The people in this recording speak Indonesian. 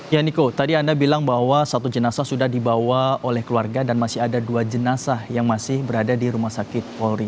ya niko tadi anda bilang bahwa satu jenazah sudah dibawa oleh keluarga dan masih ada dua jenazah yang masih berada di rumah sakit polri